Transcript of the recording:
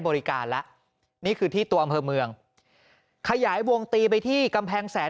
บริการแล้วนี่คือที่ตัวอำเภอเมืองขยายวงตีไปที่กำแพงแสน